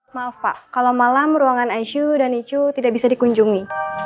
maaf pak kalau malam ruangan icu dan icu tidak bisa dikunjungi